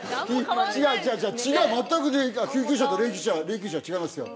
違う違う違う違う全く救急車と霊柩車は違いますよ